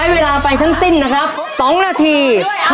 เวลาไปทั้งสิ้นนะครับ๒นาที